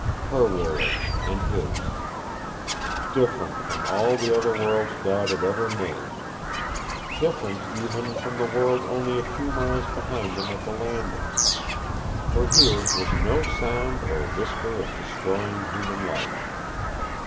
Her world and his. Different from all the other worlds God had ever made; different, even, from the world only a few miles behind them at the Landing. For here was no sound or whisper of destroying human life.